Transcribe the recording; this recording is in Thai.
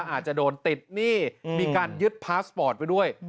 อาจจะโดนติดหนี้มีการยึดพาสปอร์ตไปด้วย